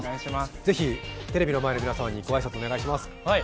ぜひテレビの前の皆様にご挨拶お願いします。